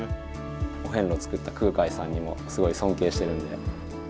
お遍路を作った空海さんにもすごい尊敬してるので。